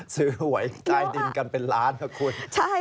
ซื้อหวยจ่ายดินกันเป็นล้านค่ะคุณ